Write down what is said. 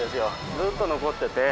ずっと残ってて。